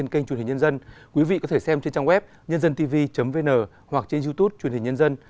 các bạn có thể xem trên trang web nhândântv vn hoặc trên youtube chuyển hình nhân dân